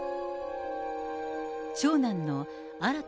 長男の新田